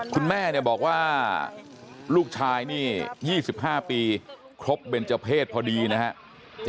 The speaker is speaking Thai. คุณแม่เนี่ยบอกว่าลูกชายนี่๒๕ปีครบเบนเจอร์เพศพอดีนะครับ